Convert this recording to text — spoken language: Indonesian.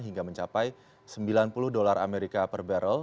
hingga mencapai sembilan puluh dolar amerika per barrel